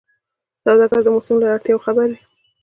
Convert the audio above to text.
سوداګر د موسم له اړتیاوو خبر وي.